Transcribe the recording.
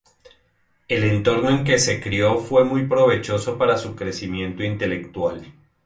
El entorno en que se crio fue muy provechoso para su crecimiento intelectual.